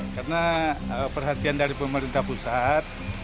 karena perhatian dari pemerintah pusat